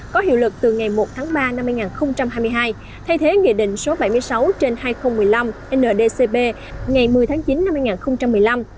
có hiệu lực từ ngày một tháng ba năm hai nghìn hai mươi hai thay thế nghị định số bảy mươi sáu trên hai nghìn một mươi năm ndcp ngày một mươi tháng chín năm hai nghìn một mươi năm